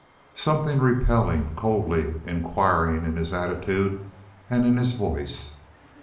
Something repelling, coldly inquiring in his attitude and in his voice.